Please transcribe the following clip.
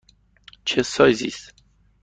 چه سایزی است؟